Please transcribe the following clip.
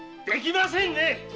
できませんね！